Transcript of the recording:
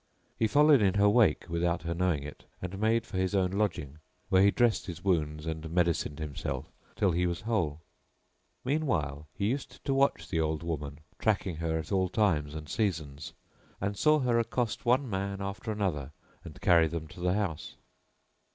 He followed in her wake without her knowing it, and made for his own lodging where he dressed his wounds and medicined himself till he was whole. Meanwhile he used to watch the old woman, tracking her at all times and seasons, and saw her accost one man after another and carry them to the house.